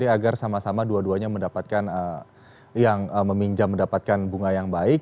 agar sama sama dua duanya mendapatkan yang meminjam mendapatkan bunga yang baik